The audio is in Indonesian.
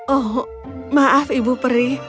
oh maaf ibu peri